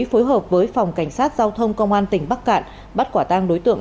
phối hợp với phòng cảnh sát giao thông công an tỉnh bắc cạn bắt quả tang đối tượng